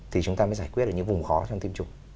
thì chúng ta mới giải quyết được những vùng khó trong tiêm chủng